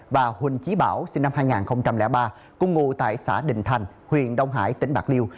và huỳnh trí bảo sinh năm hai nghìn ba cùng ngụ tại xã đình thành huyện đông hải tỉnh bạc liêu